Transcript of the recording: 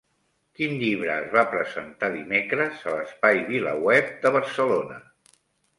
Quin llibre es va presentar dimecres a l'Espai VilaWeb de Barcelona?